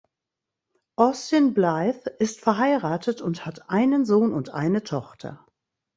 Austin Blythe ist verheiratet und hat einen Sohn und eine Tochter.